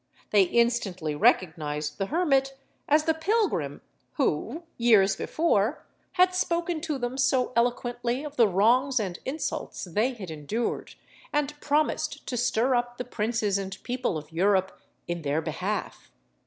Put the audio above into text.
They instantly recognised the Hermit as the pilgrim who, years before, had spoken to them so eloquently of the wrongs and insults they had endured, and promised to stir up the princes and people of Europe in their behalf.